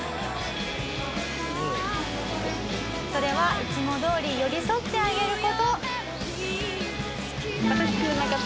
それはいつもどおり寄り添ってあげる事。